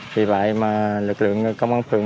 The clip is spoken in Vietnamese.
vì vậy mà lực lượng công an phường